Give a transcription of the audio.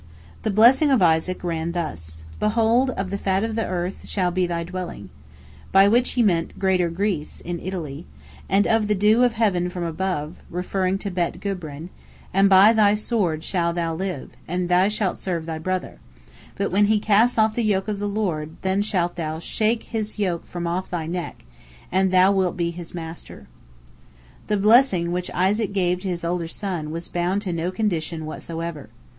The blessing of Isaac ran thus: "Behold, of the fat of the earth shall be thy dwelling," by which he meant Greater Greece, in Italy; "and of the dew of heaven from above," referring to Bet Gubrin; "and by thy sword shalt thou live, and thou shalt serve thy brother," but when he casts off the yoke of the Lord, then shalt thou "shake his yoke from off thy neck," and thou wilt be his master. The blessing which Isaac gave to his older son was bound to no condition whatsoever.